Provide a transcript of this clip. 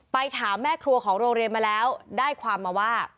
ถามแม่ครัวของโรงเรียนมาแล้วได้ความมาว่า